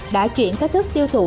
đã chuyển các thức tiêu thụ